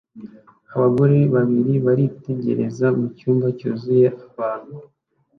Abagore babiri baritegereza mu cyumba cyuzuye abantu